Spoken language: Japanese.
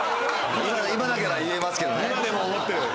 今だから言えますけどね。